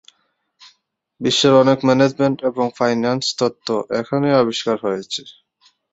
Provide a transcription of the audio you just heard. বিশ্বের অনেক ম্যানেজমেন্ট এবং ফাইন্যান্স তত্ত্ব এখানেই আবিষ্কার হয়েছে।